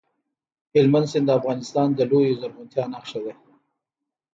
هلمند سیند د افغانستان د لویې زرغونتیا نښه ده.